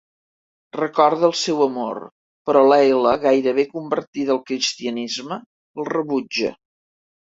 Recorda el seu amor, però Leila, gairebé convertida al cristianisme, el rebutja.